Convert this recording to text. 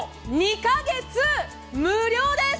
２カ月無料です！